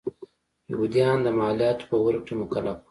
یهودیان د مالیاتو په ورکړې مکلف و.